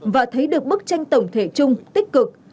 và thấy được bức tranh tổng thể chung tích cực